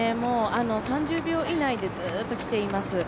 ３０秒以内でずっときています。